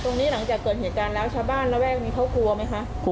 หลังจากเกิดเหตุการณ์แล้วชาวบ้านระแวกนี้เขากลัวไหมคะ